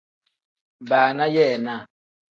Baana yeenaa.